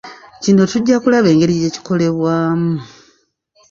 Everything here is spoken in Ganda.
Kino tujja kulaba engeri gyekikolebwamu.